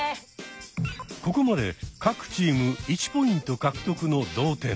ここまで各チーム１ポイント獲得の同点。